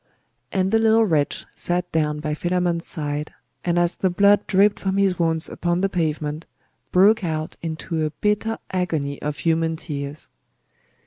And the little wretch sat down by Philammon's side, and as the blood dripped from his wounds upon the pavement, broke out into a bitter agony of human tears.